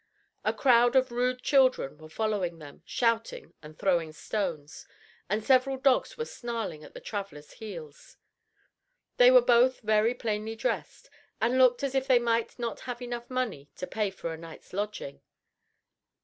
A crowd of rude children were following them, shouting and throwing stones, and several dogs were snarling at the travelers' heels. They were both very plainly dressed, and looked as if they might not have enough money to pay for a night's lodging.